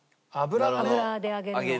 油で揚げるのが。